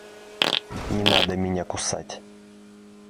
Не надо меня кусать.